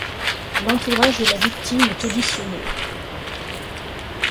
L'entourage de la victime est auditionné.